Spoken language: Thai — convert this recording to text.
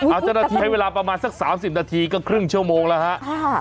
อาจจะใช้เวลาประมาณสัก๓๐นาทีก็ครึ่งชั่วโมงละครับ